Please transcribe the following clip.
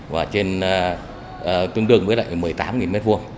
và trên tương đương với lại một mươi tám m hai